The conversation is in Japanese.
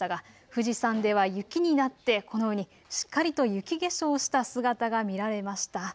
富士山では雪になってこのようにしっかりと雪化粧した姿が見られました。